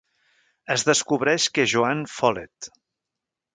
Es descobreix que és Joanne Follett.